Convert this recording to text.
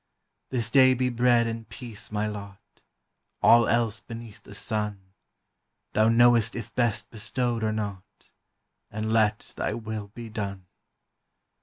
This day be bread and peace my lot; All else beneath the sun, Thou knowest if best bestowed or not, And let thy will be done.